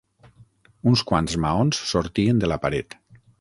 Uns quants maons sortien de la paret.